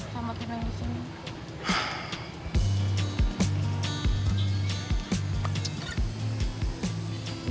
sama tunai disini